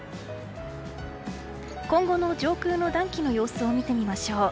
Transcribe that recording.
今後の上空の暖気の様子を見てみましょう。